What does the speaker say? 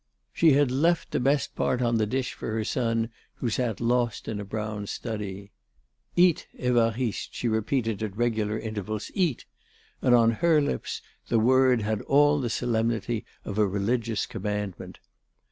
She had left the best part on the dish for her son, who sat lost in a brown study. "Eat, Évariste," she repeated at regular intervals, "eat," and on her lips the word had all the solemnity of a religious commandment.